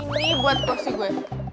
ini buat kursi gue